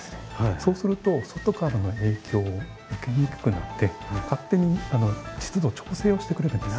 そうすると外からの影響を受けにくくなって勝手に湿度調整をしてくれるんです。